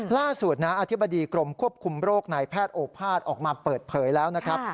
ล่าสุดนะอธิบดีกรมควบคุมโรคนายแพทย์โอภาษย์ออกมาเปิดเผยแล้วนะครับ